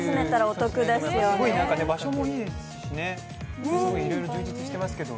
場所もいいですしいろいろ充実していますけど。